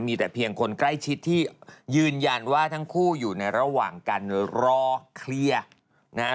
มีแต่เพียงคนใกล้ชิดที่ยืนยันว่าทั้งคู่อยู่ในระหว่างการรอเคลียร์นะฮะ